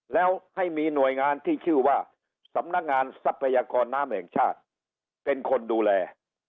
แล้วให้มีหน่วยงานที่ชื่อว่าสำนักงานทรัพยากรน้ำแห่งชาติเป็นคนดูแล